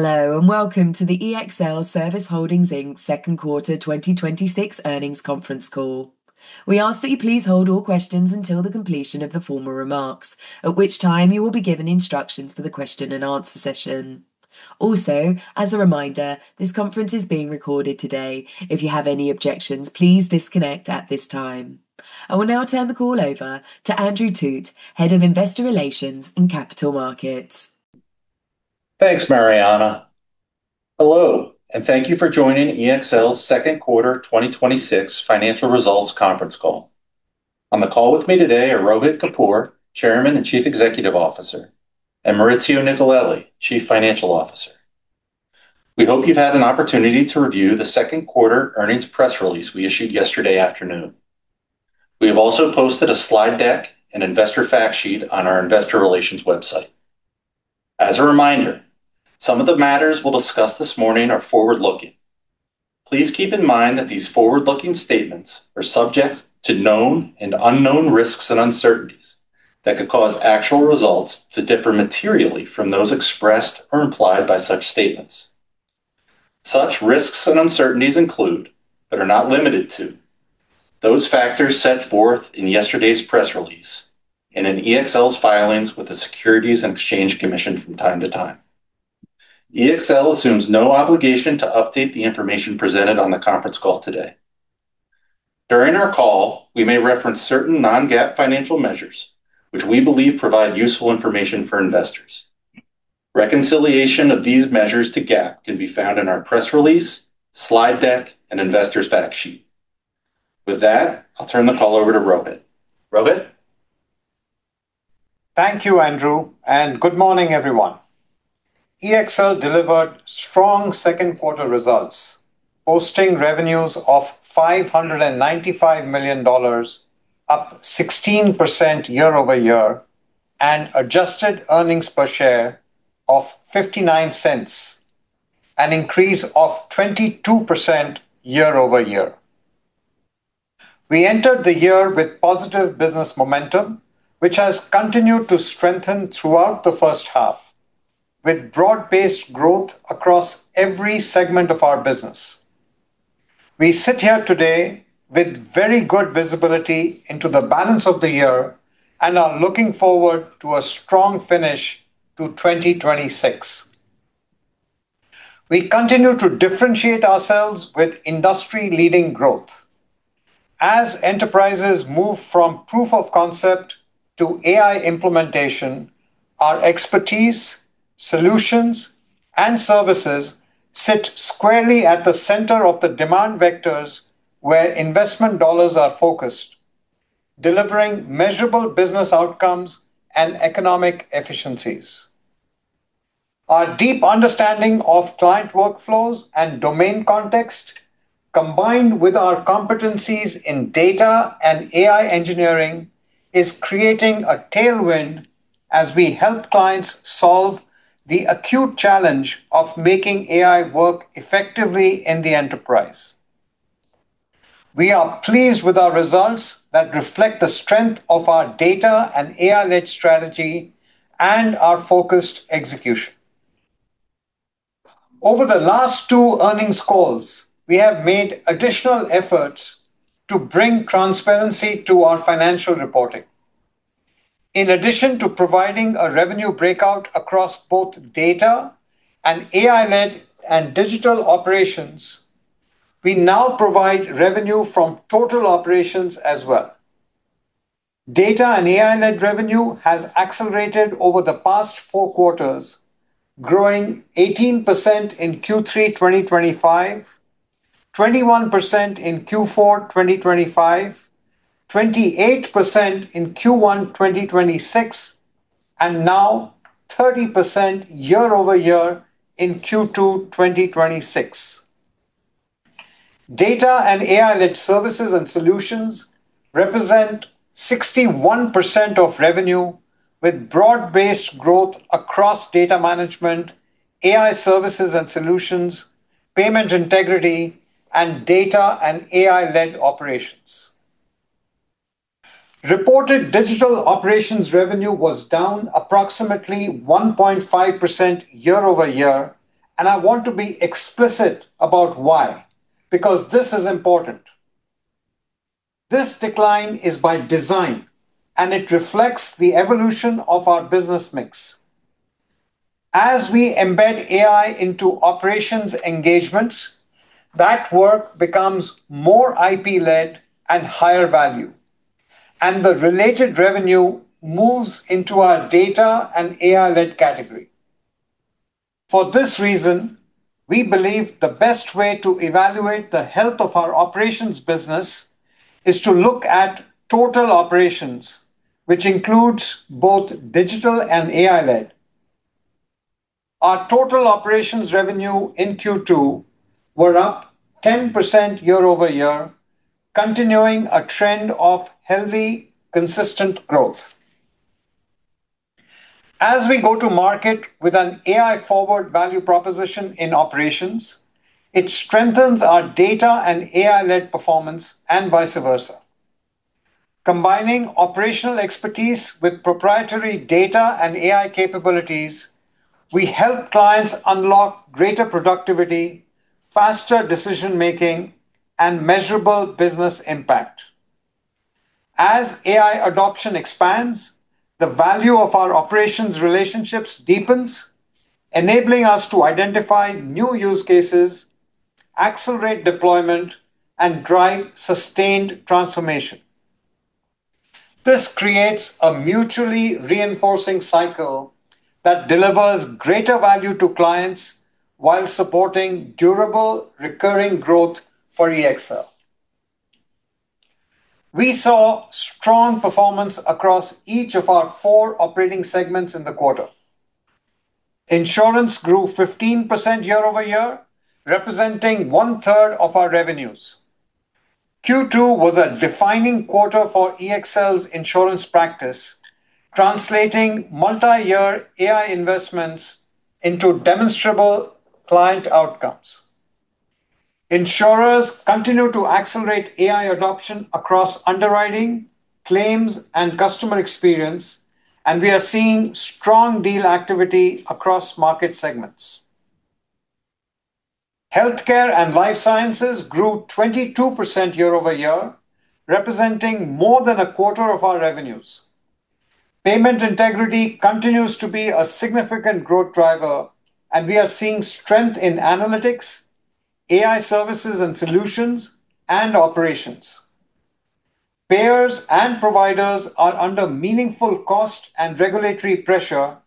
Hello, and welcome to the ExlService Holdings, Inc. second quarter 2026 earnings conference call. We ask that you please hold all questions until the completion of the formal remarks, at which time you will be given instructions for the question and answer session. Also, as a reminder, this conference is being recorded today. If you have any objections, please disconnect at this time. I will now turn the call over to Andrew Thut, Head of Investor Relations and Capital Markets. Thanks, Mariana. Hello, and thank you for joining EXL's second quarter 2026 financial results conference call. On the call with me today are Rohit Kapoor, Chairman and Chief Executive Officer, and Maurizio Nicolelli, Chief Financial Officer. We hope you've had an opportunity to review the second quarter earnings press release we issued yesterday afternoon. We have also posted a slide deck and investor fact sheet on our investor relations website. As a reminder, some of the matters we'll discuss this morning are forward-looking. Please keep in mind that these forward-looking statements are subject to known and unknown risks and uncertainties that could cause actual results to differ materially from those expressed or implied by such statements. Such risks and uncertainties include, but are not limited to, those factors set forth in yesterday's press release and in EXL's filings with the Securities and Exchange Commission from time to time. EXL assumes no obligation to update the information presented on the conference call today. During our call, we may reference certain non-GAAP financial measures which we believe provide useful information for investors. Reconciliation of these measures to GAAP can be found in our press release, slide deck, and investor fact sheet. With that, I'll turn the call over to Rohit. Rohit? Thank you, Andrew, and good morning, everyone. EXL delivered strong second quarter results, posting revenues of $595 million, up 16% year-over-year, and adjusted earnings per share of $0.59, an increase of 22% year-over-year. We entered the year with positive business momentum, which has continued to strengthen throughout the first half, with broad-based growth across every segment of our business. We sit here today with very good visibility into the balance of the year and are looking forward to a strong finish to 2026. We continue to differentiate ourselves with industry-leading growth. As enterprises move from proof of concept to AI implementation, our expertise, solutions, and services sit squarely at the center of the demand vectors where investment dollars are focused, delivering measurable business outcomes and economic efficiencies. Our deep understanding of client workflows and domain context, combined with our competencies in data and AI engineering, is creating a tailwind as we help clients solve the acute challenge of making AI work effectively in the enterprise. We are pleased with our results that reflect the strength of our data and AI-led strategy and our focused execution. Over the last two earnings calls, we have made additional efforts to bring transparency to our financial reporting. In addition to providing a revenue breakout across both data and AI-led and digital operations, we now provide revenue from total operations as well. Data and AI-led revenue has accelerated over the past four quarters, growing 18% in Q3 2025, 21% in Q4 2025, 28% in Q1 2026, and now 30% year-over-year in Q2 2026. Data and AI-led services and solutions represent 61% of revenue, with broad-based growth across data management, AI services and solutions, Payment Integrity, and data and AI-led operations. Reported digital operations revenue was down approximately 1.5% year-over-year, and I want to be explicit about why, because this is important. This decline is by design, and it reflects the evolution of our business mix. As we embed AI into operations engagements, that work becomes more IP-led and higher value, and the related revenue moves into our data and AI-led category. For this reason, we believe the best way to evaluate the health of our operations business is to look at total operations, which includes both digital and AI-led. Our total operations revenue in Q2 were up 10% year-over-year, continuing a trend of healthy, consistent growth. As we go to market with an AI-forward value proposition in operations, it strengthens our data and AI-led performance, and vice versa. Combining operational expertise with proprietary data and AI capabilities, we help clients unlock greater productivity, faster decision-making, and measurable business impact. As AI adoption expands, the value of our operations relationships deepens, enabling us to identify new use cases, accelerate deployment, and drive sustained transformation. This creates a mutually reinforcing cycle that delivers greater value to clients while supporting durable, recurring growth for EXL. We saw strong performance across each of our four operating segments in the quarter. Insurance grew 15% year-over-year, representing one-third of our revenues. Q2 was a defining quarter for EXL's insurance practice, translating multi-year AI investments into demonstrable client outcomes. Insurers continue to accelerate AI adoption across underwriting, claims, and customer experience, and we are seeing strong deal activity across market segments. Healthcare and life sciences grew 22% year-over-year, representing more than a quarter of our revenues. Payment Integrity continues to be a significant growth driver, and we are seeing strength in analytics, AI services and solutions, and operations. Payers and providers are under meaningful cost and regulatory pressure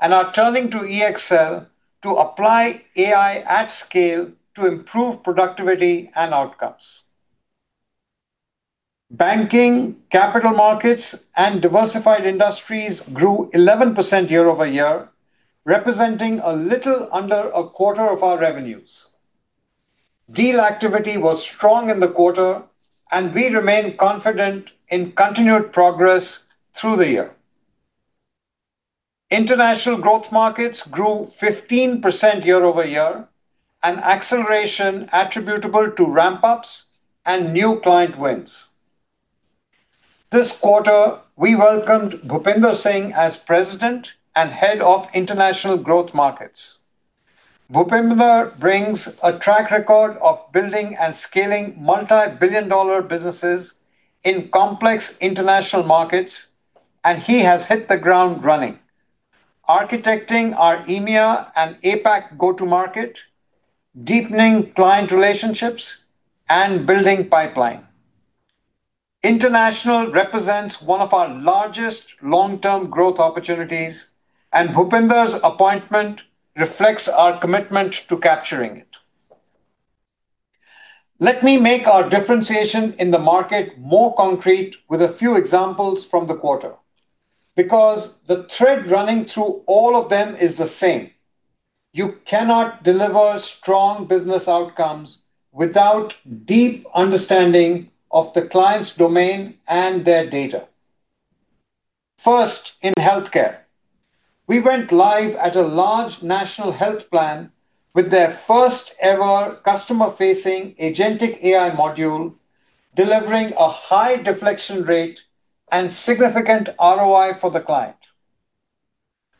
and are turning to EXL to apply AI at scale to improve productivity and outcomes. Banking, capital markets, and diversified industries grew 11% year-over-year, representing a little under a quarter of our revenues. Deal activity was strong in the quarter, and we remain confident in continued progress through the year. International growth markets grew 15% year-over-year, an acceleration attributable to ramp-ups and new client wins. This quarter, we welcomed Bhupender Singh as President and Head of International Growth Markets. Bhupender brings a track record of building and scaling multi-billion-dollar businesses in complex international markets. He has hit the ground running, architecting our EMEA and APAC go-to-market, deepening client relationships, and building pipeline. International represents one of our largest long-term growth opportunities, and Bhupender's appointment reflects our commitment to capturing it. Let me make our differentiation in the market more concrete with a few examples from the quarter, because the thread running through all of them is the same. You cannot deliver strong business outcomes without deep understanding of the client's domain and their data. First, in healthcare. We went live at a large national health plan with their first ever customer-facing agentic AI module, delivering a high deflection rate and significant ROI for the client.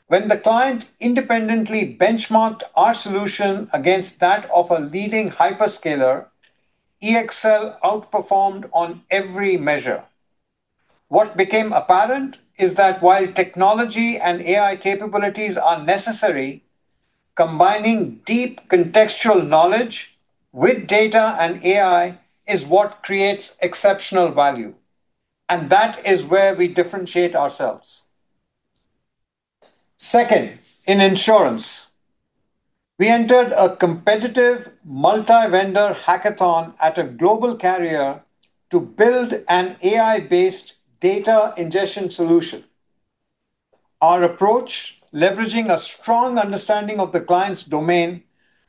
When the client independently benchmarked our solution against that of a leading hyperscaler, EXL outperformed on every measure. What became apparent is that while technology and AI capabilities are necessary, combining deep contextual knowledge with data and AI is what creates exceptional value. That is where we differentiate ourselves. Second, in insurance. We entered a competitive multi-vendor hackathon at a global carrier to build an AI-based data ingestion solution. Our approach, leveraging a strong understanding of the client's domain,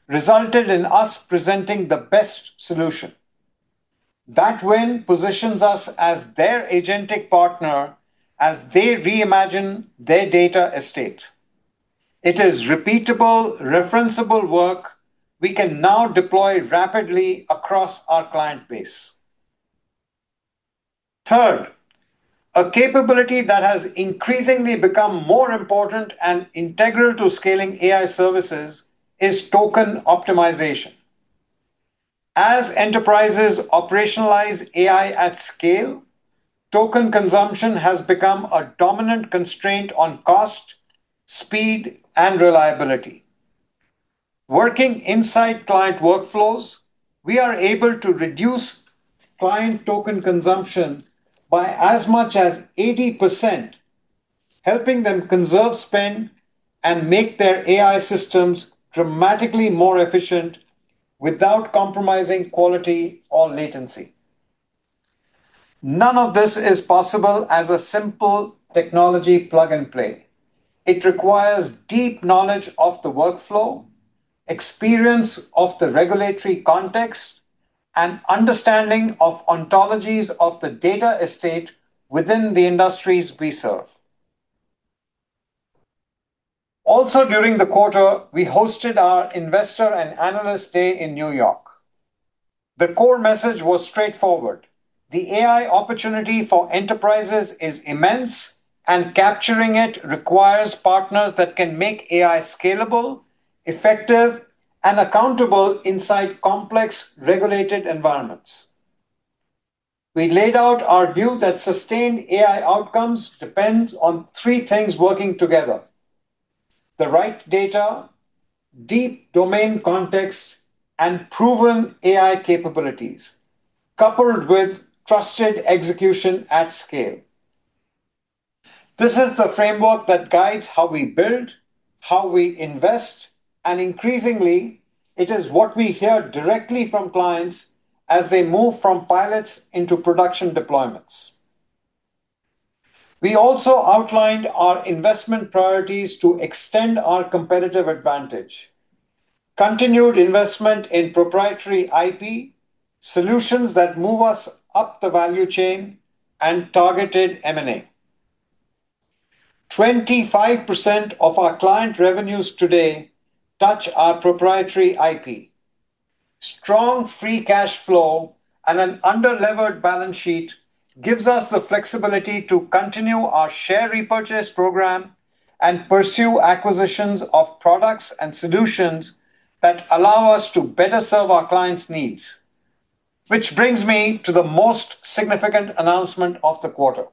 resulted in us presenting the best solution. That win positions us as their agentic partner as they reimagine their data estate. It is repeatable, referenceable work we can now deploy rapidly across our client base. Third, a capability that has increasingly become more important and integral to scaling AI services is token optimization. As enterprises operationalize AI at scale, token consumption has become a dominant constraint on cost, speed, and reliability. Working inside client workflows, we are able to reduce client token consumption by as much as 80%, helping them conserve spend and make their AI systems dramatically more efficient without compromising quality or latency. None of this is possible as a simple technology plug-and-play. It requires deep knowledge of the workflow, experience of the regulatory context, and understanding of ontologies of the data estate within the industries we serve. Also during the quarter, we hosted our investor and analyst day in N.Y. The core message was straightforward. The AI opportunity for enterprises is immense. Capturing it requires partners that can make AI scalable, effective, and accountable inside complex regulated environments. We laid out our view that sustained AI outcomes depend on three things working together. The right data, deep domain context, and proven AI capabilities, coupled with trusted execution at scale. This is the framework that guides how we build, how we invest. Increasingly, it is what we hear directly from clients as they move from pilots into production deployments. We also outlined our investment priorities to extend our competitive advantage. Continued investment in proprietary IP, solutions that move us up the value chain, and targeted M&A. 25% of our client revenues today touch our proprietary IP. Strong free cash flow and an under-levered balance sheet gives us the flexibility to continue our share repurchase program and pursue acquisitions of products and solutions that allow us to better serve our clients' needs. Which brings me to the most significant announcement of the quarter.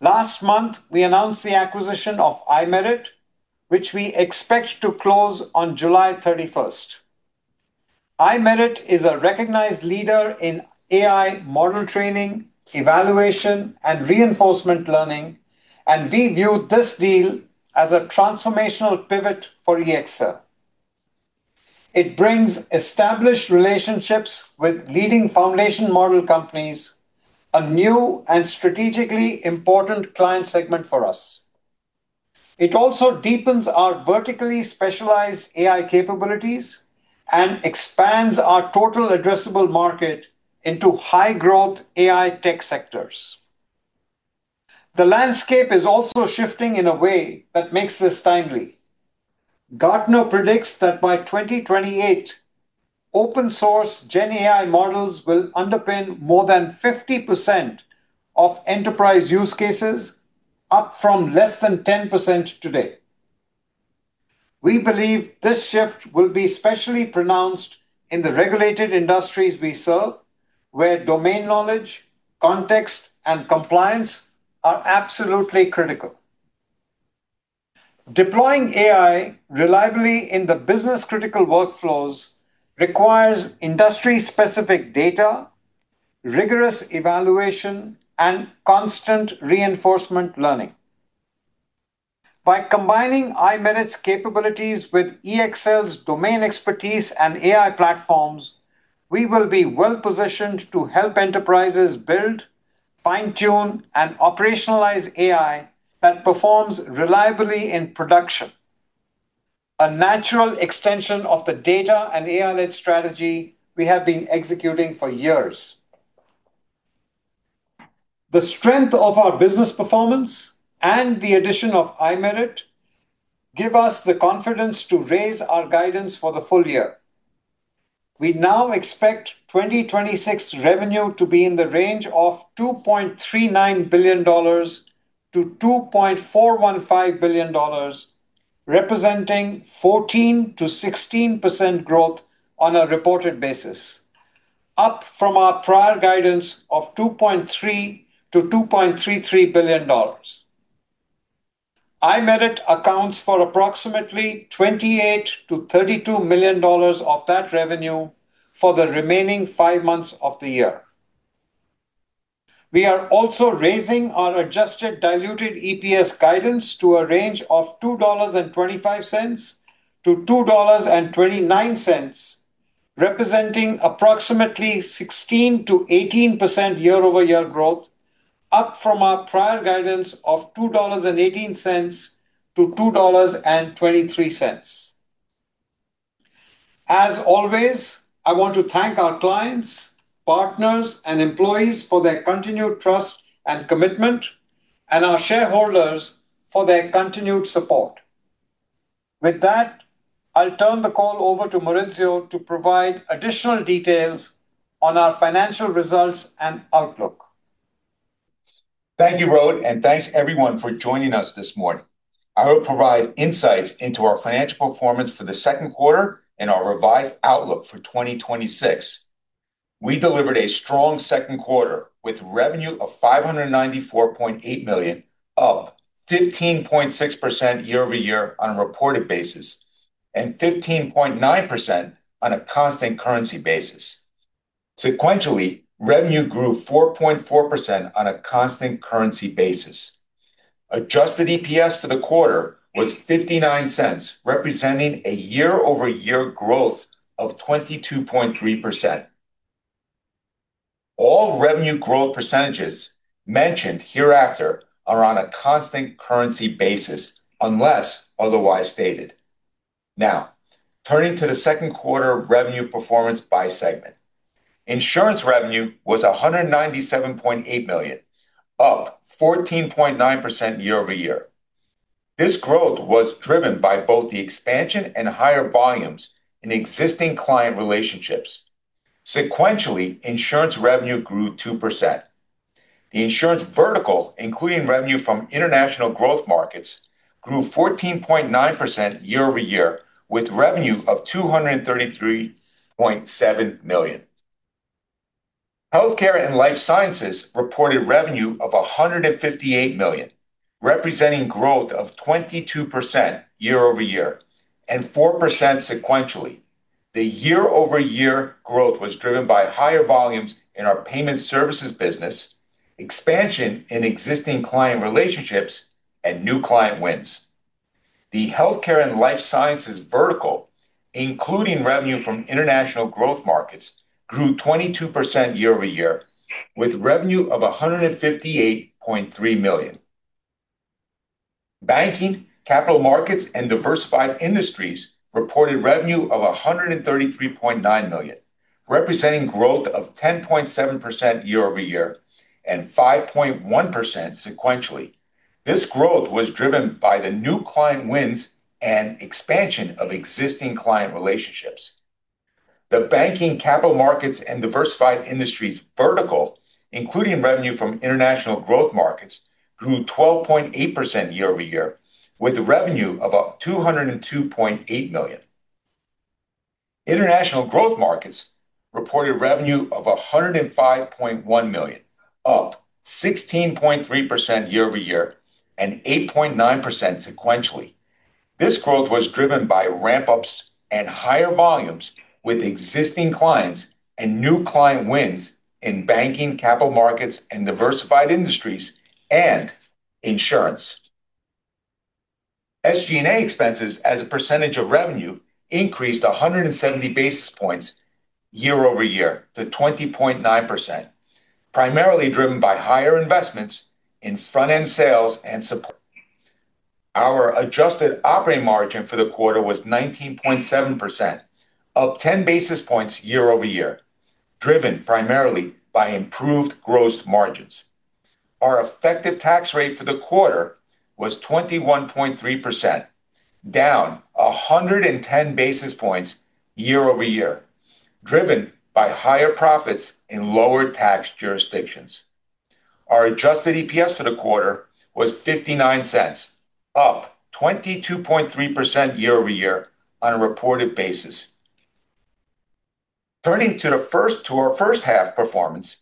Last month, we announced the acquisition of iMerit, which we expect to close on July 31st. iMerit is a recognized leader in AI model training, evaluation, and reinforcement learning. We view this deal as a transformational pivot for EXL. It brings established relationships with leading foundation model companies, a new and strategically important client segment for us. It also deepens our vertically specialized AI capabilities and expands our total addressable market into high-growth AI tech sectors. The landscape is also shifting in a way that makes this timely. Gartner predicts that by 2028, open source GenAI models will underpin more than 50% of enterprise use cases, up from less than 10% today. We believe this shift will be especially pronounced in the regulated industries we serve, where domain knowledge, context, and compliance are absolutely critical. Deploying AI reliably in the business critical workflows requires industry-specific data, rigorous evaluation, and constant reinforcement learning. By combining iMerit's capabilities with EXL's domain expertise and AI platforms, we will be well-positioned to help enterprises build, fine-tune, and operationalize AI that performs reliably in production. A natural extension of the data and AI-led strategy we have been executing for years. The strength of our business performance and the addition of iMerit give us the confidence to raise our guidance for the full year. We now expect 2026 revenue to be in the range of $2.39 billion-$2.415 billion, representing 14%-16% growth on a reported basis. Up from our prior guidance of $2.3 billion-$2.33 billion. iMerit accounts for approximately $28 million-$32 million of that revenue for the remaining five months of the year. We are also raising our adjusted diluted EPS guidance to a range of $2.25-$2.29, representing approximately 16%-18% year-over-year growth, up from our prior guidance of $2.18-$2.23. As always, I want to thank our clients, partners, and employees for their continued trust and commitment, and our shareholders for their continued support. With that, I'll turn the call over to Maurizio to provide additional details on our financial results and outlook. Thank you, Rohit. Thanks everyone for joining us this morning. I will provide insights into our financial performance for the second quarter and our revised outlook for 2026. We delivered a strong second quarter with revenue of $594.8 million, up 15.6% year-over-year on a reported basis, and 15.9% on a constant currency basis. Sequentially, revenue grew 4.4% on a constant currency basis. Adjusted EPS for the quarter was $0.59, representing a year-over-year growth of 22.3%. All revenue growth percentages mentioned hereafter are on a constant currency basis unless otherwise stated. Turning to the second quarter revenue performance by segment. Insurance revenue was $197.8 million, up 14.9% year-over-year. This growth was driven by both the expansion and higher volumes in existing client relationships. Sequentially, insurance revenue grew 2%. The insurance vertical, including revenue from international growth markets, grew 14.9% year-over-year with revenue of $233.7 million. Healthcare and life sciences reported revenue of $158 million, representing growth of 22% year-over-year and 4% sequentially. The year-over-year growth was driven by higher volumes in our Payment Integrity services business, expansion in existing client relationships and new client wins. The healthcare and life sciences vertical, including revenue from international growth markets, grew 22% year-over-year with revenue of $158.3 million. Banking, capital markets, and diversified industries reported revenue of $133.9 million, representing growth of 10.7% year-over-year and 5.1% sequentially. This growth was driven by the new client wins and expansion of existing client relationships. The banking, capital markets, and diversified industries vertical, including revenue from international growth markets, grew 12.8% year-over-year with revenue of $202.8 million. International growth markets reported revenue of $105.1 million, up 16.3% year-over-year and 8.9% sequentially. This growth was driven by ramp-ups and higher volumes with existing clients and new client wins in banking, capital markets and diversified industries and insurance. SG&A expenses as a percentage of revenue increased 170 basis points year-over-year to 20.9%, primarily driven by higher investments in front-end sales and support. Our adjusted operating margin for the quarter was 19.7%, up 10 basis points year-over-year, driven primarily by improved gross margins. Our effective tax rate for the quarter was 21.3%, down 110 basis points year-over-year, driven by higher profits in lower tax jurisdictions. Our adjusted EPS for the quarter was $0.59, up 22.3% year-over-year on a reported basis. Turning to our first half performance,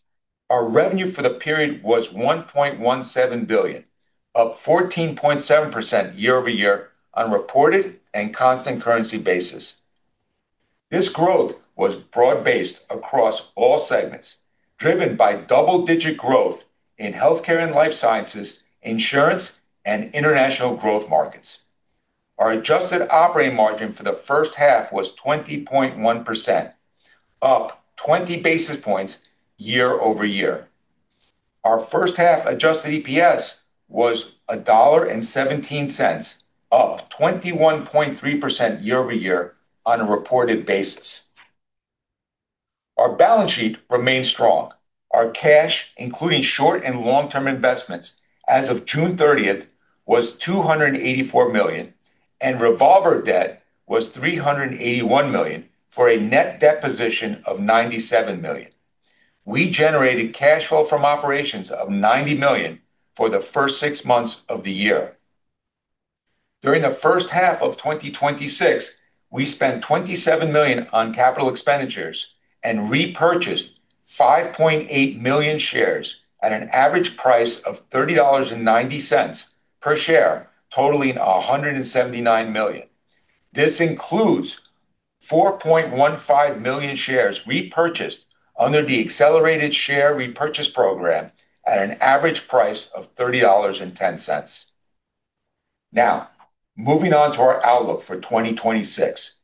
our revenue for the period was $1.17 billion, up 14.7% year-over-year on reported and constant currency basis. This growth was broad-based across all segments, driven by double-digit growth in healthcare and life sciences, insurance, and international growth markets. Our adjusted operating margin for the first half was 20.1%, up 20 basis points year-over-year. Our first half adjusted EPS was $1.17, up 21.3% year-over-year on a reported basis. Our balance sheet remains strong. Our cash, including short and long-term investments as of June 30th, was $284 million, and revolver debt was $381 million for a net debt position of $97 million. We generated cash flow from operations of $90 million for the first six months of the year. During the first half of 2026, we spent $27 million on capital expenditures and repurchased 5.8 million shares at an average price of $30.90 per share, totaling $179 million. This includes 4.15 million shares repurchased under the accelerated share repurchase program at an average price of $30.10. Moving on to our outlook for 2026.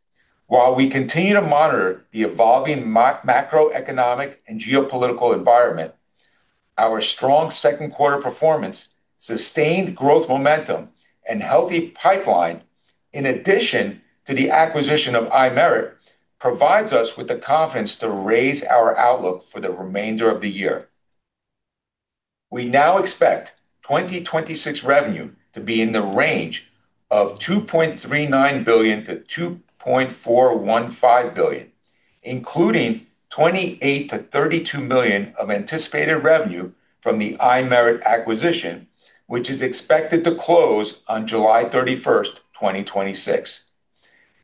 While we continue to monitor the evolving macroeconomic and geopolitical environment, our strong second quarter performance, sustained growth momentum, and healthy pipeline, in addition to the acquisition of iMerit, provides us with the confidence to raise our outlook for the remainder of the year. We now expect 2026 revenue to be in the range of $2.39 billion-$2.415 billion, including $28 million-$32 million of anticipated revenue from the iMerit acquisition, which is expected to close on July 31st, 2026.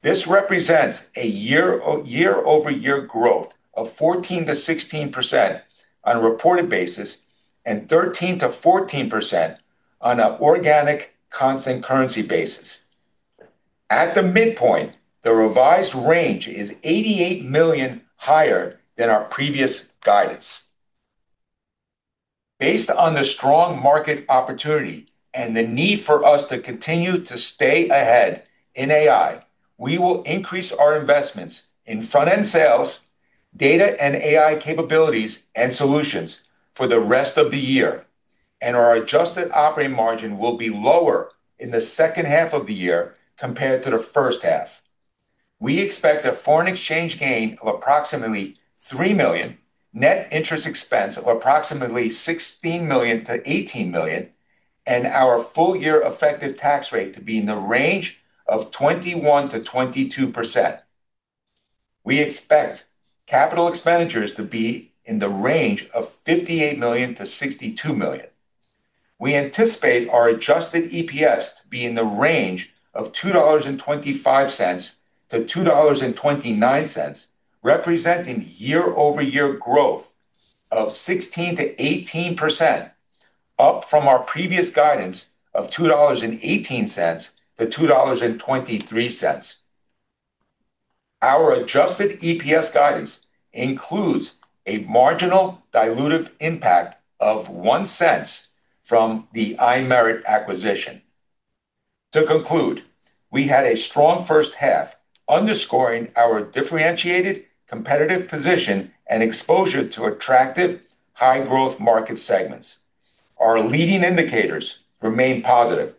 This represents a year-over-year growth of 14%-16% on a reported basis and 13%-14% on an organic constant currency basis. At the midpoint, the revised range is $88 million higher than our previous guidance. Based on the strong market opportunity and the need for us to continue to stay ahead in AI, we will increase our investments in front-end sales, data and AI capabilities, and solutions for the rest of the year. Our adjusted operating margin will be lower in the second half of the year compared to the first half. We expect a foreign exchange gain of approximately $3 million, net interest expense of approximately $16 million-$18 million, and our full year effective tax rate to be in the range of 21%-22%. We expect capital expenditures to be in the range of $58 million-$62 million. We anticipate our adjusted EPS to be in the range of $2.25-$2.29, representing year-over-year growth of 16%-18%, up from our previous guidance of $2.18-$2.23. Our adjusted EPS guidance includes a marginal dilutive impact of $0.01 from the iMerit acquisition. To conclude, we had a strong first half, underscoring our differentiated competitive position and exposure to attractive high-growth market segments. Our leading indicators remain positive,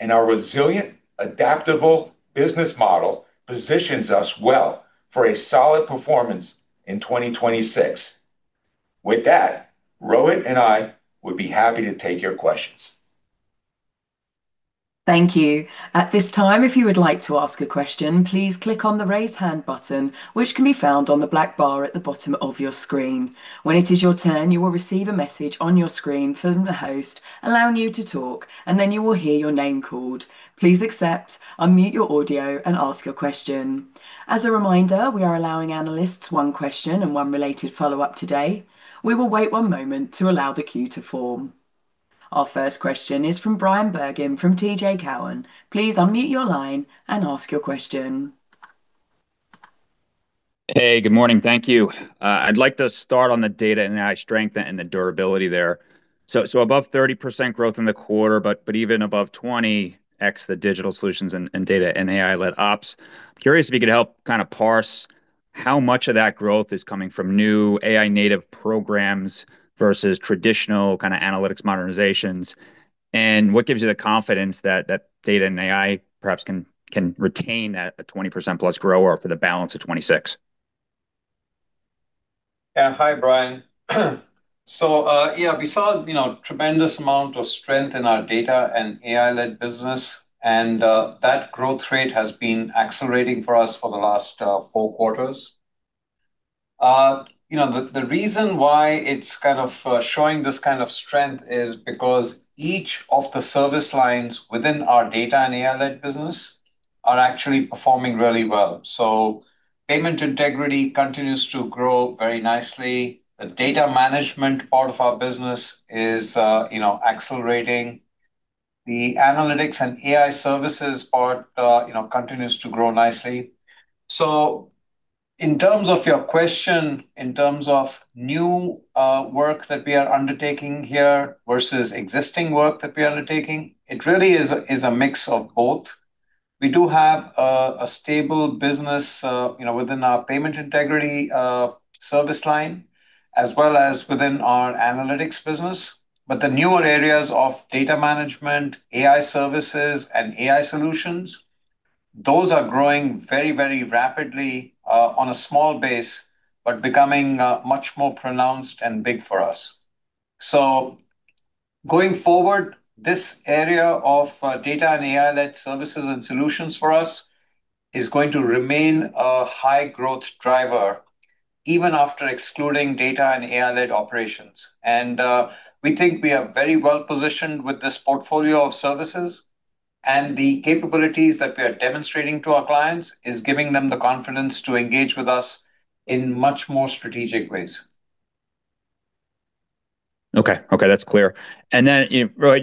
our resilient, adaptable business model positions us well for a solid performance in 2026. With that, Rohit and I would be happy to take your questions. Thank you. At this time, if you would like to ask a question, please click on the Raise Hand button, which can be found on the black bar at the bottom of your screen. When it is your turn, you will receive a message on your screen from the host allowing you to talk, and then you will hear your name called. Please accept, unmute your audio, and ask your question. As a reminder, we are allowing analysts one question and one related follow-up today. We will wait one moment to allow the queue to form. Our first question is from Bryan Bergin from TD Cowen. Please unmute your line and ask your question. Hey, good morning. Thank you. I'd like to start on the data and AI strength and the durability there. Above 30% growth in the quarter, but even above 20x the digital solutions and data and AI-led ops. Curious if you could help parse how much of that growth is coming from new AI-native programs versus traditional kind of analytics modernizations. What gives you the confidence that data and AI perhaps can retain a 20%+ grower for the balance of 2026? Hi, Bryan. We saw tremendous amount of strength in our data and AI-led business, and that growth rate has been accelerating for us for the last four quarters. The reason why it's showing this kind of strength is because each of the service lines within our data and AI-led business are actually performing really well. Payment Integrity continues to grow very nicely. The data management part of our business is accelerating. The analytics and AI services part continues to grow nicely. In terms of your question, in terms of new work that we are undertaking here versus existing work that we are undertaking, it really is a mix of both. We do have a stable business within our Payment Integrity service line as well as within our analytics business. The newer areas of data management, AI services, and AI solutions, those are growing very rapidly on a small base, but becoming much more pronounced and big for us. Going forward, this area of data and AI-led services and solutions for us is going to remain a high-growth driver, even after excluding data and AI-led operations. We think we are very well-positioned with this portfolio of services, and the capabilities that we are demonstrating to our clients is giving them the confidence to engage with us in much more strategic ways. That's clear. Rohit,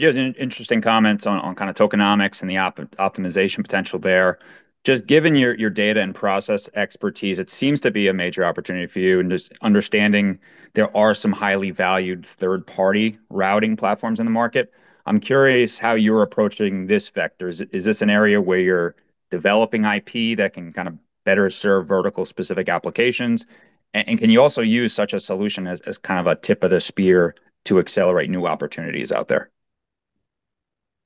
you had some interesting comments on tokenomics and the optimization potential there. Just given your data and process expertise, it seems to be a major opportunity for you, and just understanding there are some highly valued third-party routing platforms in the market. I'm curious how you're approaching this vector. Is this an area where you're developing IP that can kind of better serve vertical specific applications? Can you also use such a solution as kind of a tip of the spear to accelerate new opportunities out there?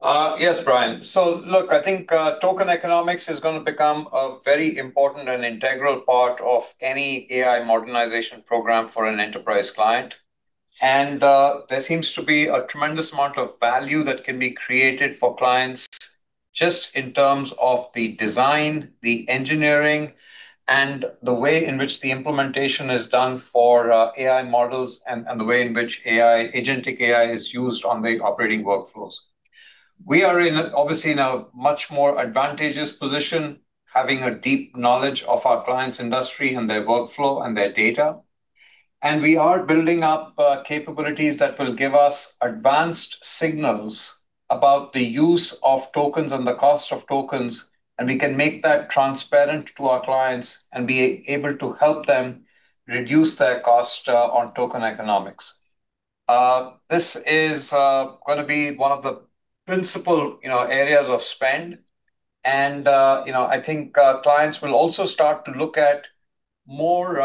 Yes, Bryan. Look, I think token economics is going to become a very important and integral part of any AI modernization program for an enterprise client. There seems to be a tremendous amount of value that can be created for clients just in terms of the design, the engineering, and the way in which the implementation is done for AI models, and the way in which agentic AI is used on the operating workflows. We are obviously in a much more advantageous position, having a deep knowledge of our clients' industry and their workflow and their data. We are building up capabilities that will give us advanced signals about the use of tokens and the cost of tokens, and we can make that transparent to our clients and be able to help them reduce their cost on token economics. This is going to be one of the principal areas of spend. I think clients will also start to look at more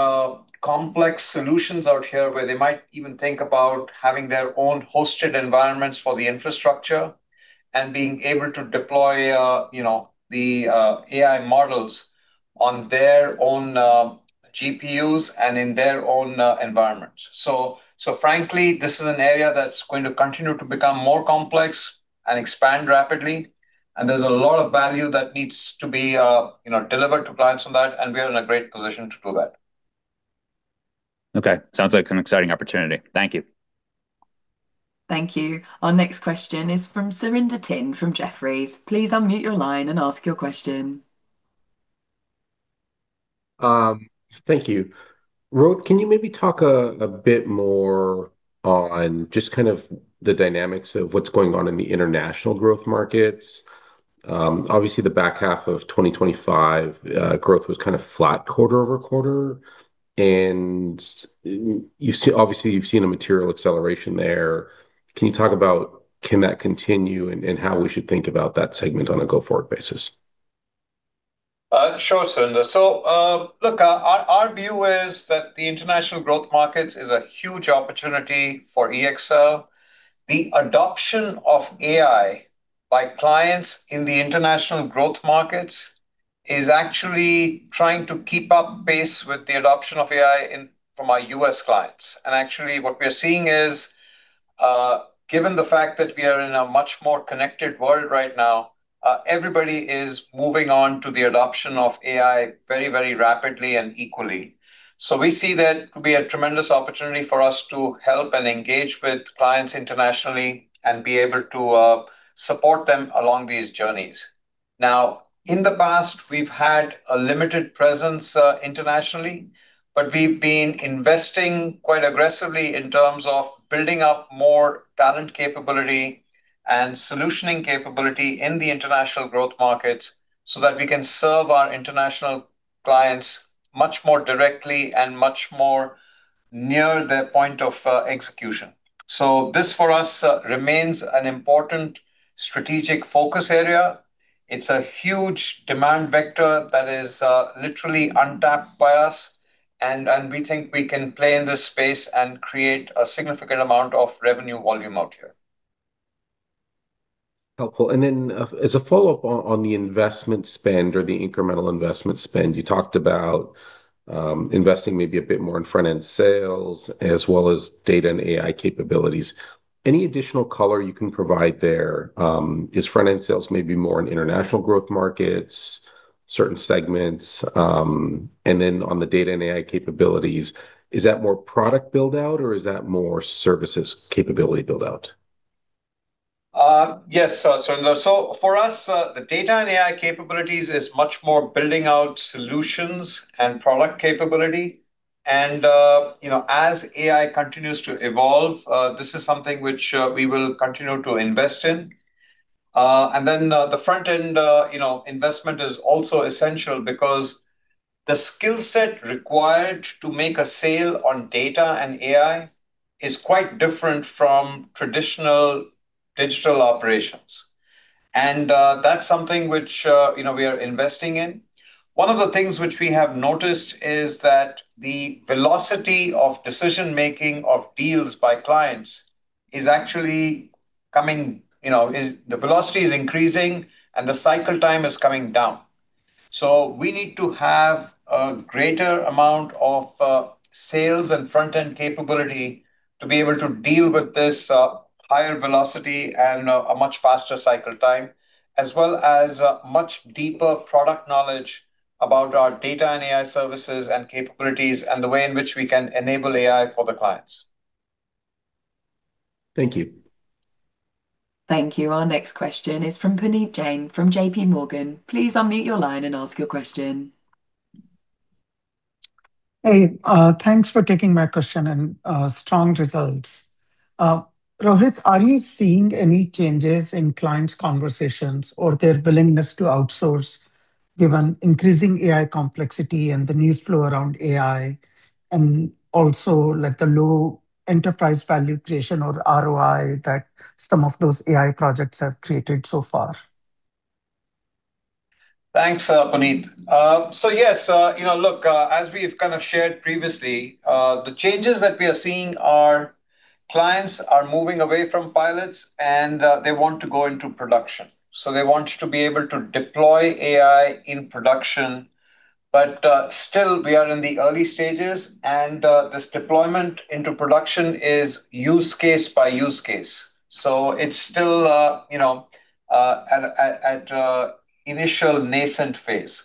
complex solutions out here, where they might even think about having their own hosted environments for the infrastructure and being able to deploy the AI models on their own GPUs and in their own environments. Frankly, this is an area that's going to continue to become more complex and expand rapidly. There's a lot of value that needs to be delivered to clients on that, and we are in a great position to do that. Okay. Sounds like an exciting opportunity. Thank you. Thank you. Our next question is from Surinder Thind from Jefferies. Please unmute your line and ask your question. Thank you. Rohit, can you maybe talk a bit more on just kind of the dynamics of what's going on in the international growth markets? Obviously, the back half of 2025, growth was kind of flat quarter-over-quarter, obviously you've seen a material acceleration there. Can you talk about can that continue and how we should think about that segment on a go-forward basis? Sure, Surinder. Look, our view is that the international growth markets is a huge opportunity for EXL. The adoption of AI by clients in the international growth markets is actually trying to keep up base with the adoption of AI from our U.S. clients. Actually, what we are seeing is, given the fact that we are in a much more connected world right now, everybody is moving on to the adoption of AI very, very rapidly and equally. We see that could be a tremendous opportunity for us to help and engage with clients internationally and be able to support them along these journeys. In the past, we've had a limited presence internationally, we've been investing quite aggressively in terms of building up more talent capability and solutioning capability in the international growth markets so that we can serve our international clients much more directly and much more near their point of execution. This, for us, remains an important strategic focus area. It's a huge demand vector that is literally untapped by us, we think we can play in this space and create a significant amount of revenue volume out here. Helpful. Then as a follow-up on the investment spend or the incremental investment spend, you talked about investing maybe a bit more in front-end sales as well as data and AI capabilities. Any additional color you can provide there? Is front-end sales maybe more in international growth markets, certain segments? Then on the data and AI capabilities, is that more product build-out or is that more services capability build-out? Yes, Surinder. For us, the data and AI capabilities is much more building out solutions and product capability. As AI continues to evolve, this is something which we will continue to invest in. Then the front-end investment is also essential because the skill set required to make a sale on data and AI is quite different from traditional digital operations. That's something which we are investing in. One of the things which we have noticed is that the velocity of decision-making of deals by clients is actually increasing, and the cycle time is coming down. We need to have a greater amount of sales and front-end capability to be able to deal with this higher velocity and a much faster cycle time, as well as much deeper product knowledge about our data and AI services and capabilities and the way in which we can enable AI for the clients. Thank you. Thank you. Our next question is from Puneet Jain from JPMorgan. Please unmute your line and ask your question. Hey, thanks for taking my question, and strong results. Rohit, are you seeing any changes in clients' conversations or their willingness to outsource given increasing AI complexity and the news flow around AI, and also the low enterprise value creation or ROI that some of those AI projects have created so far? Thanks, Puneet. Yes. Look, as we've kind of shared previously, the changes that we are seeing are clients are moving away from pilots, and they want to go into production. They want to be able to deploy AI in production. Still, we are in the early stages, and this deployment into production is use case by use case. It's still at initial nascent phase.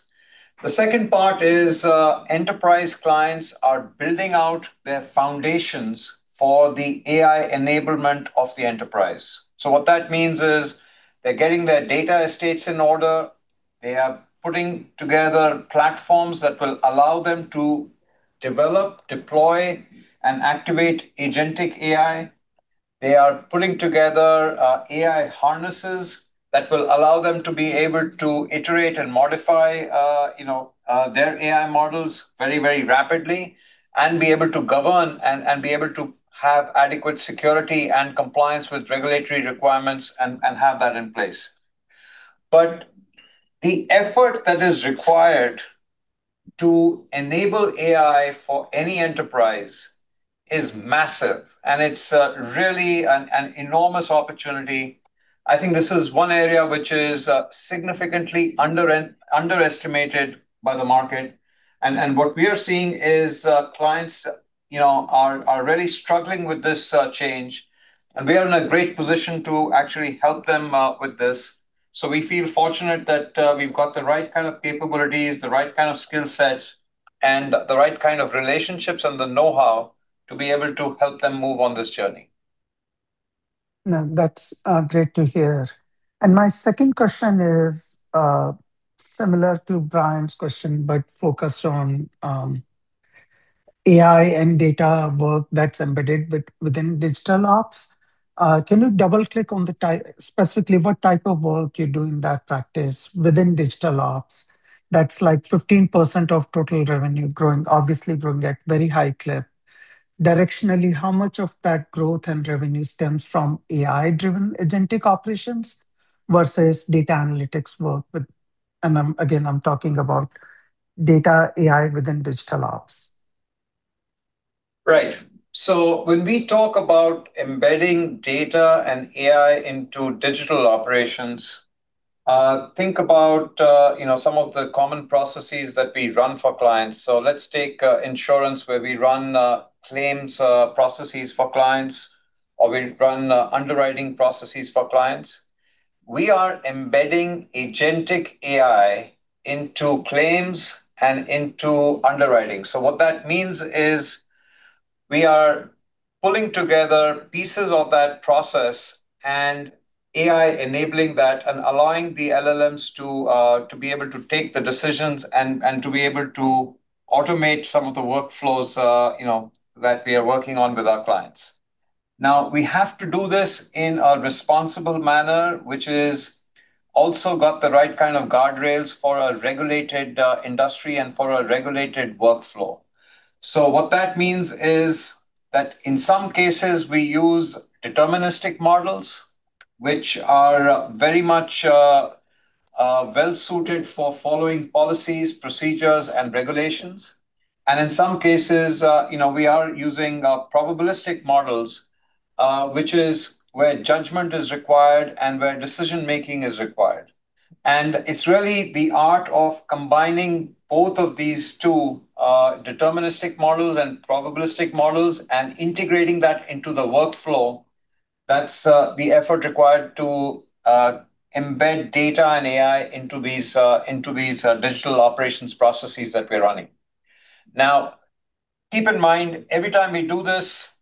The second part is enterprise clients are building out their foundations for the AI enablement of the enterprise. What that means is they're getting their data estates in order. They are putting together platforms that will allow them to develop, deploy, and activate agentic AI. They are putting together AI harnesses that will allow them to be able to iterate and modify their AI models very, very rapidly and be able to govern and be able to have adequate security and compliance with regulatory requirements and have that in place. The effort that is required to enable AI for any enterprise is massive, and it's really an enormous opportunity. I think this is one area which is significantly underestimated by the market, and what we are seeing is clients are really struggling with this change, and we are in a great position to actually help them with this. We feel fortunate that we've got the right kind of capabilities, the right kind of skill sets, and the right kind of relationships and the know-how to be able to help them move on this journey. That's great to hear. My second question is similar to Bryan's question, but focused on AI and data work that's embedded within digital ops. Can you double-click on specifically what type of work you do in that practice within digital ops? That's like 15% of total revenue growing, obviously growing at very high clip. Directionally, how much of that growth and revenue stems from AI-driven agentic operations versus data analytics work with again, I'm talking about data AI within digital ops. Right. When we talk about embedding data and AI into digital operations, think about some of the common processes that we run for clients. Let's take insurance where we run claims processes for clients, or we run underwriting processes for clients. We are embedding agentic AI into claims and into underwriting. What that means is we are pulling together pieces of that process and AI-enabling that and allowing the LLMs to be able to take the decisions and to be able to automate some of the workflows that we are working on with our clients. We have to do this in a responsible manner, which is also got the right kind of guardrails for a regulated industry and for a regulated workflow. What that means is that in some cases, we use deterministic models, which are very much well-suited for following policies, procedures, and regulations. In some cases we are using probabilistic models, which is where judgment is required and where decision-making is required. It's really the art of combining both of these two deterministic models and probabilistic models and integrating that into the workflow. That's the effort required to embed data and AI into these digital operations processes that we're running. Keep in mind, every time we do this,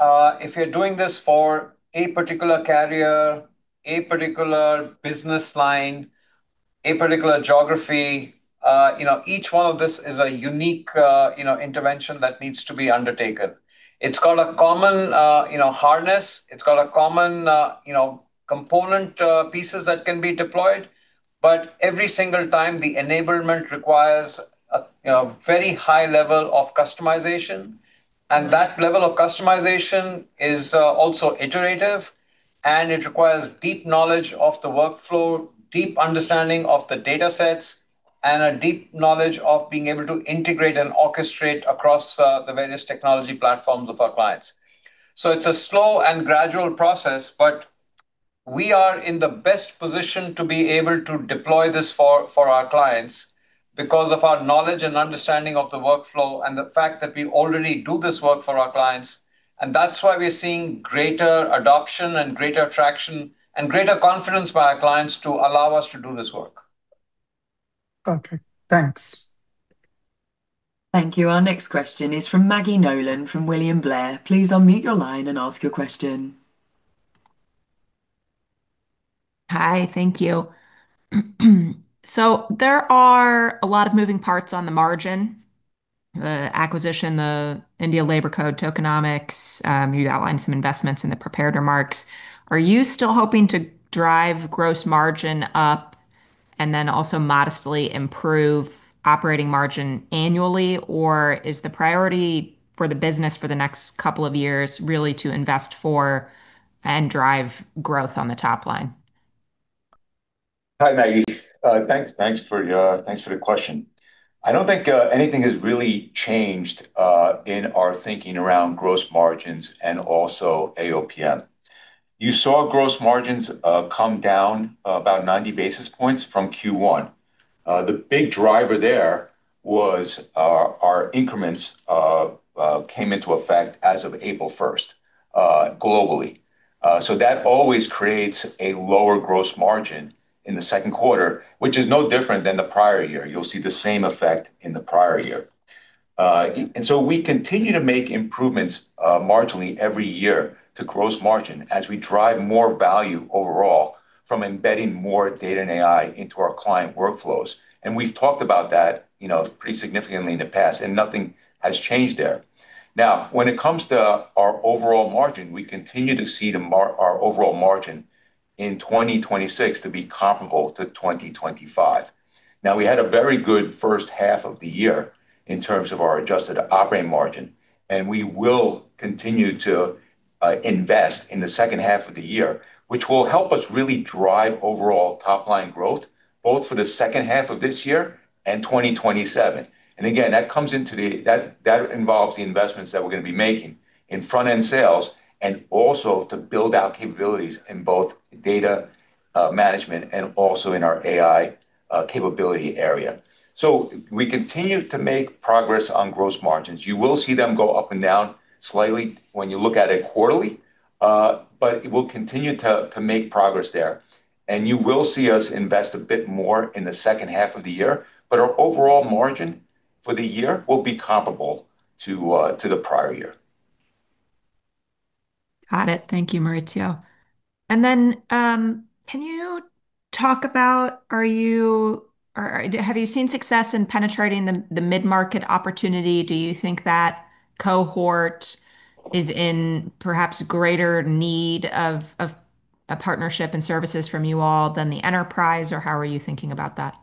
if you're doing this for a particular carrier, a particular business line, a particular geography, each one of this is a unique intervention that needs to be undertaken. It's got a common harness, it's got common component pieces that can be deployed, but every single time, the enablement requires a very high level of customization. That level of customization is also iterative, and it requires deep knowledge of the workflow, deep understanding of the datasets, and a deep knowledge of being able to integrate and orchestrate across the various technology platforms of our clients. It's a slow and gradual process, but we are in the best position to be able to deploy this for our clients because of our knowledge and understanding of the workflow and the fact that we already do this work for our clients. That's why we are seeing greater adoption and greater traction and greater confidence by our clients to allow us to do this work. Got you. Thanks. Thank you. Our next question is from Maggie Nolan from William Blair. Please unmute your line and ask your question. Hi, thank you. There are a lot of moving parts on the margin, the acquisition, the India labor code tokenomics. You outlined some investments in the prepared remarks. Are you still hoping to drive gross margin up and then also modestly improve operating margin annually? Or is the priority for the business for the next couple of years really to invest for and drive growth on the top line? Hi, Maggie. Thanks for the question. I don't think anything has really changed in our thinking around gross margins and also AOPM. You saw gross margins come down about 90 basis points from Q1. The big driver there was our increments came into effect as of April 1st, globally. That always creates a lower gross margin in the second quarter, which is no different than the prior year. You'll see the same effect in the prior year. We continue to make improvements marginally every year to gross margin as we drive more value overall from embedding more data and AI into our client workflows. We've talked about that pretty significantly in the past, and nothing has changed there. Now, when it comes to our overall margin, we continue to see our overall margin in 2026 to be comparable to 2025. Now, we had a very good first half of the year in terms of our adjusted operating margin, and we will continue to invest in the second half of the year, which will help us really drive overall top-line growth, both for the second half of this year and 2027. Again, that involves the investments that we're going to be making in front-end sales and also to build out capabilities in both data management and also in our AI capability area. We continue to make progress on gross margins. You will see them go up and down slightly when you look at it quarterly, but we'll continue to make progress there. You will see us invest a bit more in the second half of the year. Our overall margin for the year will be comparable to the prior year. Got it. Thank you, Maurizio. Then, can you talk about, have you seen success in penetrating the mid-market opportunity? Do you think that cohort is in perhaps greater need of a partnership and services from you all than the enterprise, or how are you thinking about that?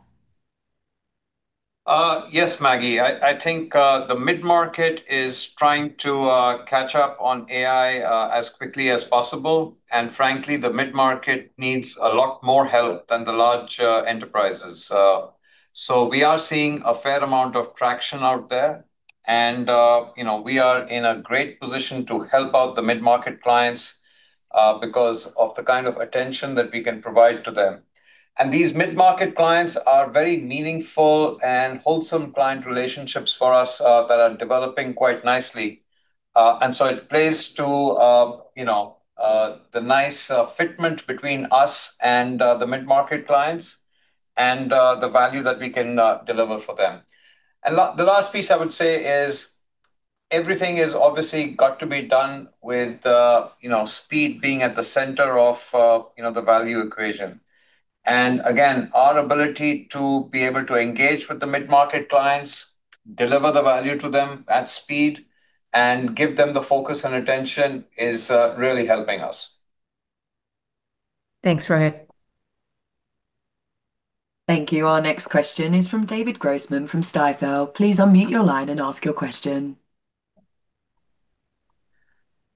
Yes, Maggie. I think the mid-market is trying to catch up on AI as quickly as possible, frankly, the mid-market needs a lot more help than the large enterprises. We are seeing a fair amount of traction out there and we are in a great position to help out the mid-market clients because of the kind of attention that we can provide to them. These mid-market clients are very meaningful and wholesome client relationships for us that are developing quite nicely. It plays to the nice fitment between us and the mid-market clients and the value that we can deliver for them. The last piece I would say is everything is obviously got to be done with speed being at the center of the value equation. Again, our ability to be able to engage with the mid-market clients, deliver the value to them at speed, and give them the focus and attention is really helping us. Thanks, Rohit. Thank you. Our next question is from David Grossman from Stifel. Please unmute your line and ask your question.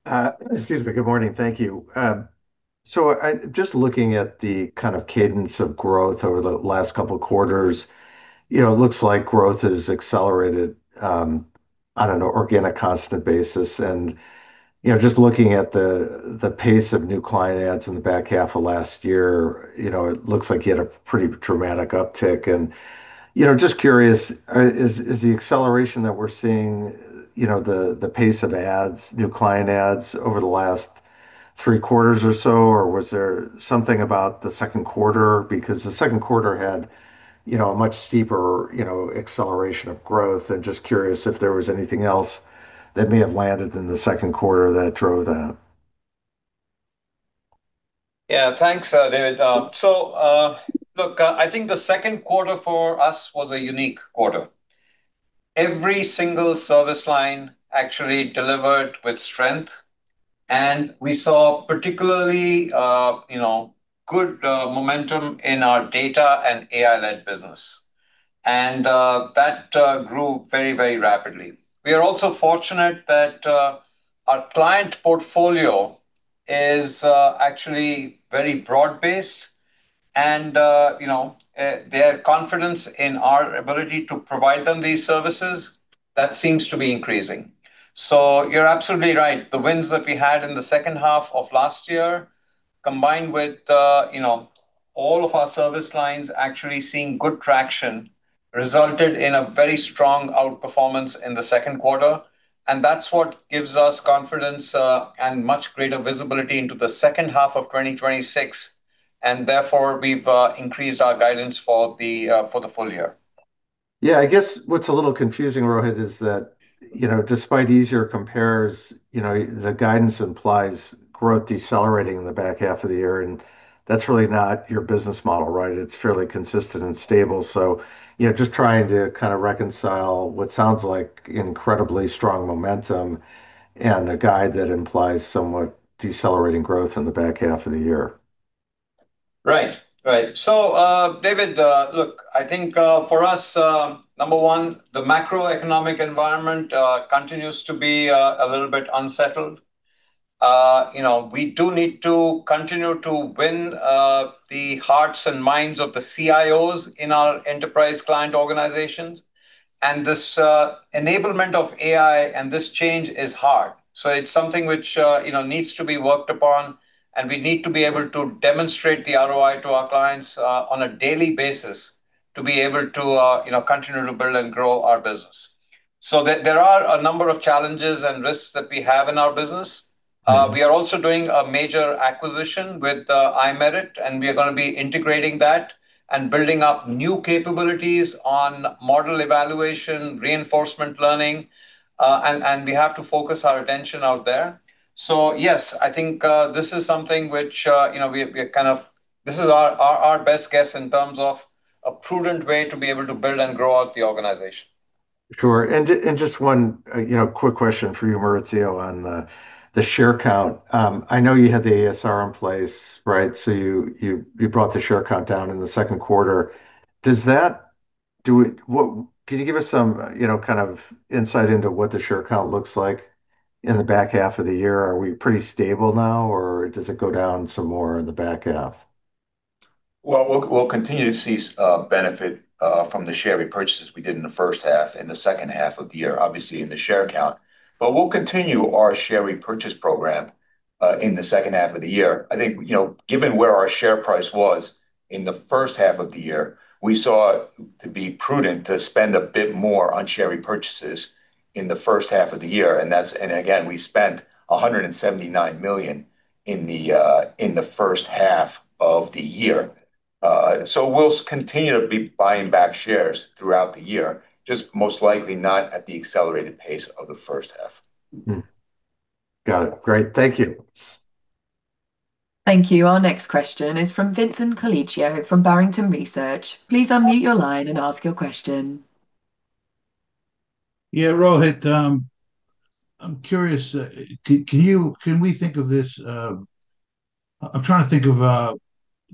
Excuse me. Good morning. Thank you. Just looking at the kind of cadence of growth over the last couple of quarters, it looks like growth has accelerated on an organic constant basis. Just looking at the pace of new client adds in the back half of last year, it looks like you had a pretty dramatic uptick. Just curious, is the acceleration that we're seeing the pace of new client adds over the last three quarters or so, or was there something about the second quarter? The second quarter had a much steeper acceleration of growth, and just curious if there was anything else that may have landed in the second quarter that drove that. Yeah. Thanks, David. Look, I think the second quarter for us was a unique quarter. Every single service line actually delivered with strength, and we saw particularly good momentum in our data and AI-led business. That grew very rapidly. We are also fortunate that our client portfolio is actually very broad-based and their confidence in our ability to provide them these services, that seems to be increasing. You're absolutely right. The wins that we had in the second half of last year, combined with all of our service lines actually seeing good traction, resulted in a very strong outperformance in the second quarter, and that's what gives us confidence and much greater visibility into the second half of 2026, therefore we've increased our guidance for the full year. I guess what's a little confusing, Rohit, is that despite easier compares, the guidance implies growth decelerating in the back half of the year, and that's really not your business model, right? It's fairly consistent and stable. Just trying to kind of reconcile what sounds like incredibly strong momentum and a guide that implies somewhat decelerating growth in the back half of the year. Right. David, look, I think for us, number one, the macroeconomic environment continues to be a little bit unsettled. We do need to continue to win the hearts and minds of the CIOs in our enterprise client organizations. This enablement of AI and this change is hard. It's something which needs to be worked upon, and we need to be able to demonstrate the ROI to our clients on a daily basis to be able to continue to build and grow our business. There are a number of challenges and risks that we have in our business. We are also doing a major acquisition with iMerit, and we are going to be integrating that and building up new capabilities on model evaluation, reinforcement learning, and we have to focus our attention out there. Yes, I think this is something which we are this is our best guess in terms of a prudent way to be able to build and grow out the organization. Sure. Just one quick question for you, Maurizio, on the share count. I know you had the ASR in place, right? You brought the share count down in the second quarter. Can you give us some kind of insight into what the share count looks like in the back half of the year? Are we pretty stable now, or does it go down some more in the back half? We'll continue to see benefit from the share repurchases we did in the first half and the second half of the year, obviously in the share count. We'll continue our share repurchase program in the second half of the year. I think given where our share price was in the first half of the year, we saw it to be prudent to spend a bit more on share repurchases in the first half of the year. Again, we spent $179 million in the first half of the year. We'll continue to be buying back shares throughout the year, just most likely not at the accelerated pace of the first half. Got it. Great. Thank you. Thank you. Our next question is from Vincent Colicchio from Barrington Research. Please unmute your line and ask your question. Rohit, I'm curious. I'm trying to think of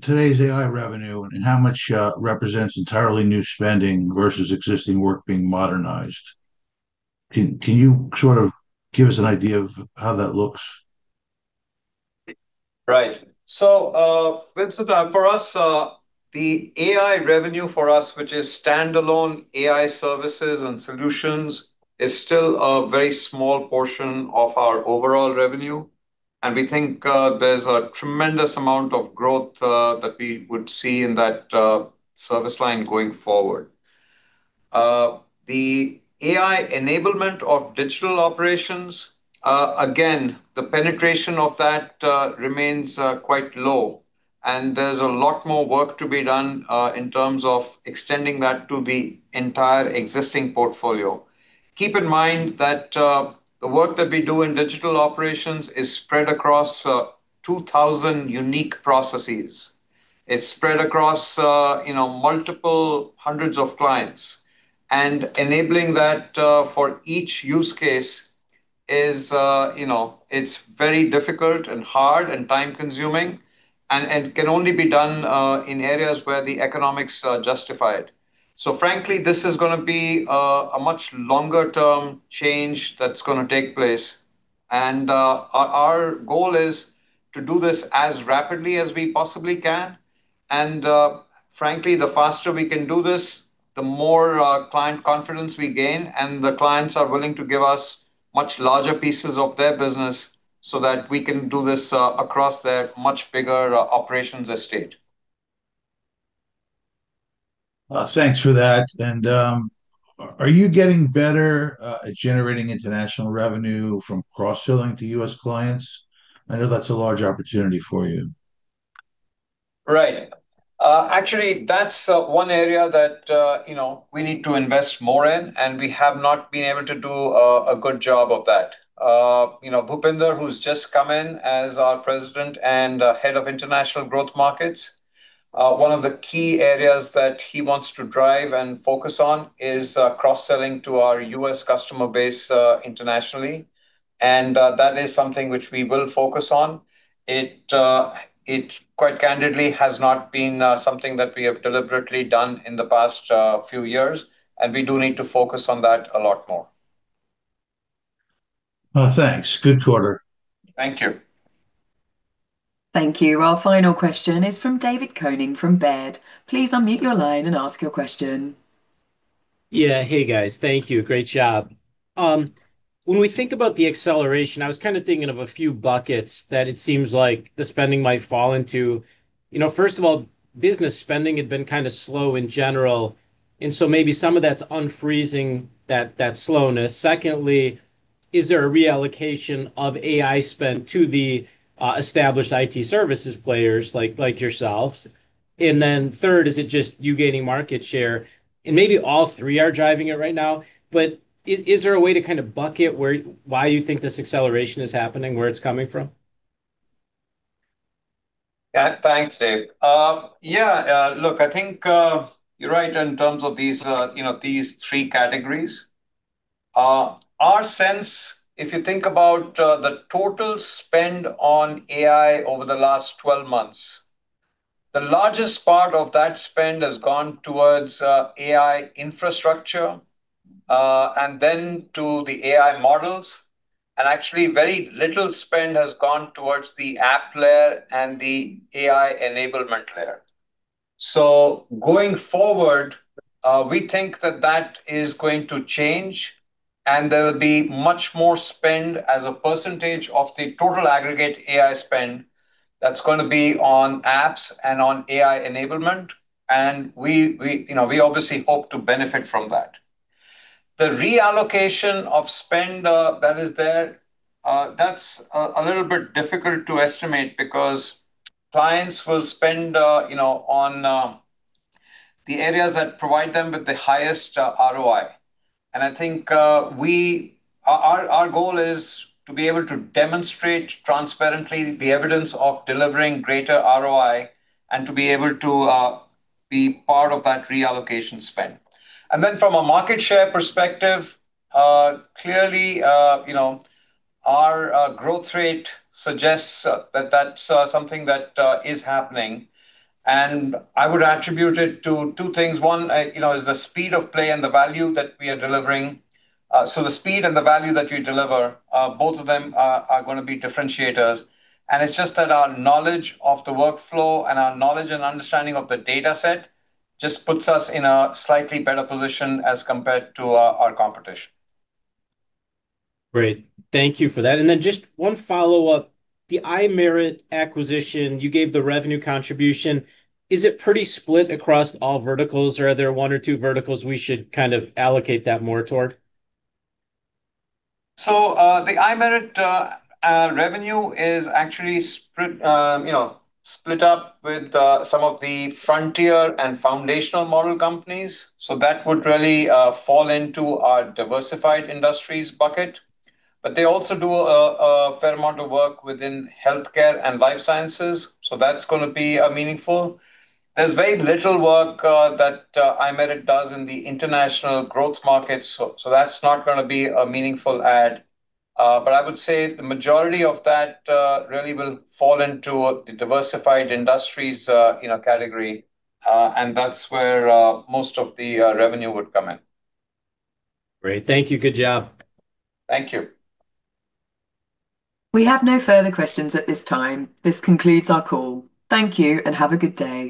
today's AI revenue and how much represents entirely new spending versus existing work being modernized. Can you sort of give us an idea of how that looks? Vincent, for us, the AI revenue for us, which is standalone AI services and solutions, is still a very small portion of our overall revenue. We think there's a tremendous amount of growth that we would see in that service line going forward. The AI enablement of digital operations, again, the penetration of that remains quite low. There's a lot more work to be done, in terms of extending that to the entire existing portfolio. Keep in mind that the work that we do in digital operations is spread across 2,000 unique processes. It's spread across multiple hundreds of clients. Enabling that for each use case, it's very difficult and hard and time-consuming, and can only be done in areas where the economics justify it. Frankly, this is going to be a much longer-term change that's going to take place. Our goal is to do this as rapidly as we possibly can. Frankly, the faster we can do this, the more client confidence we gain, the clients are willing to give us much larger pieces of their business so that we can do this across their much bigger operations estate. Thanks for that. Are you getting better at generating international revenue from cross-selling to U.S. clients? I know that's a large opportunity for you. Right. Actually, that's one area that we need to invest more in. We have not been able to do a good job of that. Bhupender, who's just come in as our President and Head of International Growth Markets, one of the key areas that he wants to drive and focus on is cross-selling to our U.S. customer base internationally. That is something which we will focus on. It quite candidly has not been something that we have deliberately done in the past few years. We do need to focus on that a lot more. Thanks. Good quarter. Thank you. Thank you. Our final question is from David Koning from Baird. Please unmute your line and ask your question. Hey, guys. Thank you. Great job. When we think about the acceleration, I was kind of thinking of a few buckets that it seems like the spending might fall into. First of all, business spending had been kind of slow in general, so maybe some of that's unfreezing that slowness. Secondly, is there a reallocation of AI spend to the established IT services players like yourselves? Third, is it just you gaining market share? Maybe all three are driving it right now. Is there a way to kind of bucket why you think this acceleration is happening, where it's coming from? Thanks, David. Look, I think you're right in terms of these three categories. Our sense, if you think about the total spend on AI over the last 12 months, the largest part of that spend has gone towards AI infrastructure, and then to the AI models. Actually, very little spend has gone towards the app layer and the AI enablement layer. Going forward, we think that that is going to change and there'll be much more spend as a percentage of the total aggregate AI spend that's going to be on apps and on AI enablement. We obviously hope to benefit from that. The reallocation of spend that is there, that's a little bit difficult to estimate because clients will spend on the areas that provide them with the highest ROI. I think our goal is to be able to demonstrate transparently the evidence of delivering greater ROI and to be able to be part of that reallocation spend. Then from a market share perspective, clearly, our growth rate suggests that that's something that is happening. I would attribute it to two things. One is the speed of play and the value that we are delivering. The speed and the value that we deliver, both of them are going to be differentiators. It's just that our knowledge of the workflow and our knowledge and understanding of the dataset just puts us in a slightly better position as compared to our competition. Great. Thank you for that. Then just one follow-up. The iMerit acquisition, you gave the revenue contribution. Is it pretty split across all verticals, or are there one or two verticals we should kind of allocate that more toward? The iMerit revenue is actually split up with some of the frontier and foundational model companies. That would really fall into our diversified industries bucket. They also do a fair amount of work within healthcare and life sciences, that's going to be meaningful. There's very little work that iMerit does in the international growth markets, that's not going to be a meaningful add. I would say the majority of that really will fall into the diversified industries category. That's where most of the revenue would come in. Great. Thank you. Good job. Thank you. We have no further questions at this time. This concludes our call. Thank you and have a good day.